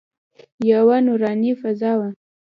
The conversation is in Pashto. یوه نوراني فضا وه.